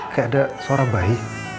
kayak ada suara bayi